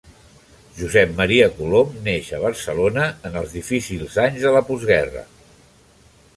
Josep Maria Colom neix a Barcelona, en els difícils anys de la postguerra.